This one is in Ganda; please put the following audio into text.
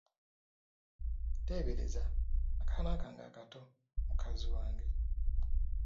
Teebereza! Akaana kange akato , mukazi wange!